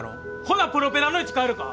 ほなプロペラの位置変えるか？